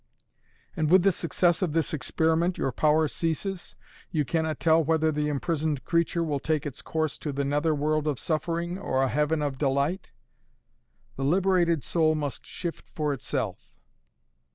"And with the success of this experiment your power ceases? You cannot tell whether the imprisoned creature will take its course to the netherworld of suffering, or a heaven of delight?" "The liberated soul must shift for itself."